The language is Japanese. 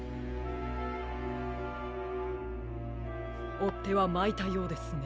おってはまいたようですね。